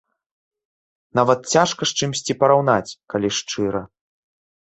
Нават цяжка з чымсьці параўнаць, калі шчыра.